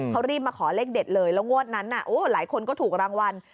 เขารีบมาขอเลขเด็ดเลยแล้วงวดนั้นหลายคนก็ถูกรางวัล